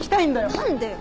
何でよ。